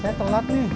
saya telat nih